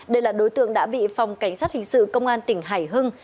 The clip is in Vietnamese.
đây là đối tượng đã bị phòng cảnh sát hình sự công an tỉnh hải hưng